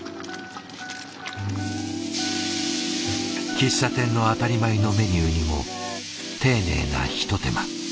喫茶店の当たり前のメニューにも丁寧な一手間。